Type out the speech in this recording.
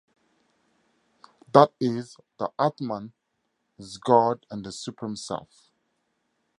That is, the Atman is God and the supreme self.